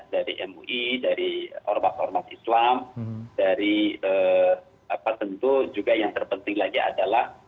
dari mui dari ormas ormas islam dari apa tentu juga yang terpenting lagi adalah